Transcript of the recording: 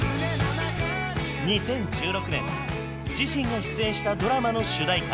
２０１６年自身が出演したドラマの主題歌